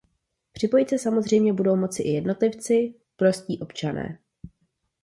Připojit se samozřejmě budou moci i jednotlivci, prostí občané.